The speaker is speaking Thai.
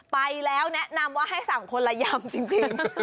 ไปแล้วแนะนำว่าให้สั่งคนละยำจริง